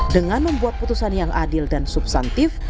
dengan membuat putusan yang adil dan substantif